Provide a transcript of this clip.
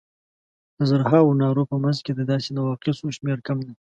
د زرهاوو نارو په منځ کې د داسې نواقصو شمېر کم دی.